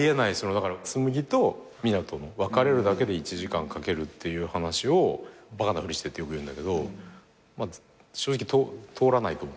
だから紬と湊斗の別れるだけで１時間かけるっていう話を「バカなふりして」ってよく言うんだけど正直通らないと思ったでしょ。